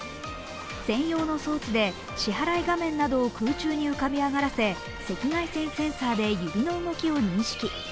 専用の装置で支払い画面などを空中に浮かび上がらせ、赤外線センサーで指の動きを認識。